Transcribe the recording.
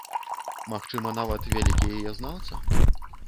Магчыма, нават вялікі яе знаўца?